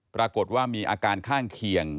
ปรากฏว่ามีอาการข้างเคียง